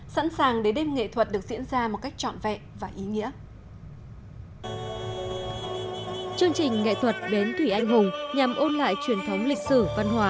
sẵn sàng để đêm nghệ thuật được diễn ra một cách trọn vẹn và ý nghĩa